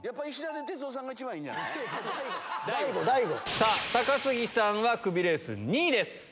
さあ、高杉さんはクビレース２位です。